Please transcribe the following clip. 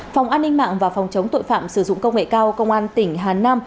phòng an ninh mạng và phòng chống tội phạm sử dụng công nghệ cao công an tỉnh hà nam